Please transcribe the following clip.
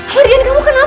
mardian kamu kenapa